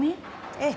ええ。